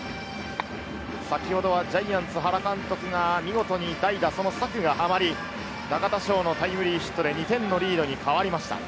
先ほどはジャイアンツの原監督が見事に代打、その策がはまり、中田翔のタイムリーヒットで２点のリードに変わりました。